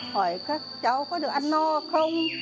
hỏi các cháu có được ăn no không